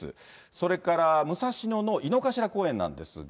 それから武蔵野の井の頭公園なんですが。